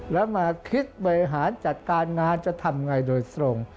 แล้วมาคิดบริหารจัดการงานจะทำไงโดยตรง